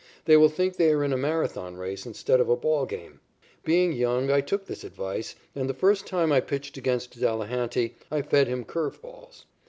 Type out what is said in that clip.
They will think they are in a Marathon race instead of a ball game." Being young, I took this advice, and the first time I pitched against Delehanty, I fed him curved balls.